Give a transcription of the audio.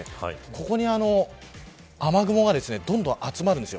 ここに雨雲がどんどん集まるんです。